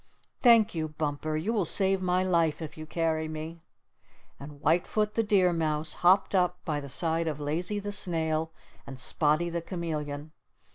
"Thank you, Bumper! You will save my life if you carry me." And White Foot the Deer Mouse hopped up by the side of Lazy the Snail and Spotty the Chameleon.